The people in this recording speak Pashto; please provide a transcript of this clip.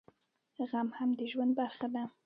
غم هم د ژوند برخه ده